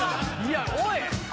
おい！